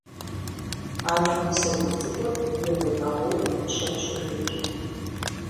Анэм и сабий цӀыкӀур и гъунэгъуу гущэм щыжейрт.